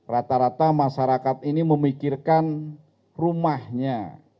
rata rata masyarakat ini memikirkan rumahnya